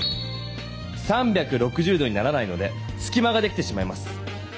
３６０度にならないのですきまができてしまいます。